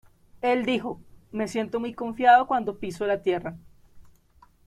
Él dijo: "Me siento muy confiado cuando piso la tierra.